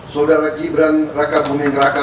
saudara gibran raka buming raka